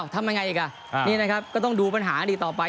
ทำอย่างไรอีกก็ต้องดูปัญหาดีต่อไป